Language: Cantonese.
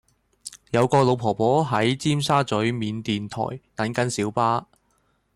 有個老婆婆喺尖沙咀緬甸台等緊小巴